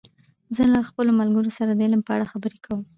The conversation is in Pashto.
زه د خپلو ملګرو سره د علم په اړه خبرې کوم.